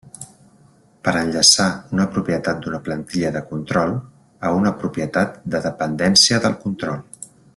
Per enllaçar una propietat d'una plantilla de control a una propietat de dependència del control.